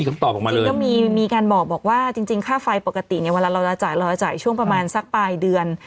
ยังไม่มีคำตอบค่ะจริงค่าไฟปกติเราจะจ่ายช่วงประมาณสักปลายเดือน